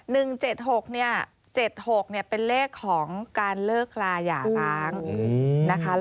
๑๗๖เนี่ย๗๖เนี่ยเป็นเลขของการเลิกลายาตังค์นะคะ